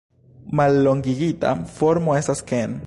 Mallongigita formo estas Ken.